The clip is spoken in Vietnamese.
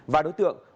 và đối tượng